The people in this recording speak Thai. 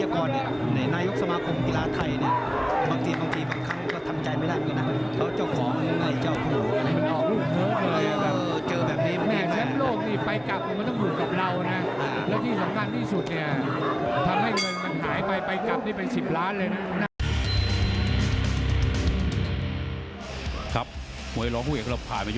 แชมป์โลกนี้ไปกลับมันก็ต้องถูกกับเรานะ